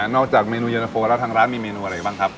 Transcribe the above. จากเมนูเย็นตะโฟแล้วทางร้านมีเมนูอะไรบ้างครับ